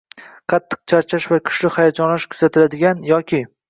Qattiq charchash va kuchli hayajonlanish kuzatiladigan yoki